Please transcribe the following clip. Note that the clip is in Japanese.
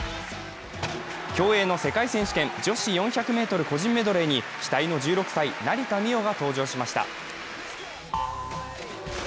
共栄の世界選手権、女子４００ｍ個人メドレーに期待の１６歳、成田実生が登場しました。